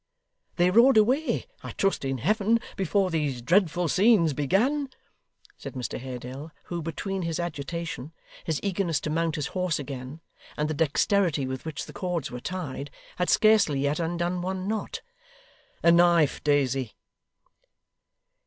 'They rode away, I trust in Heaven, before these dreadful scenes began,' said Mr Haredale, who, between his agitation, his eagerness to mount his horse again, and the dexterity with which the cords were tied, had scarcely yet undone one knot. 'A knife, Daisy!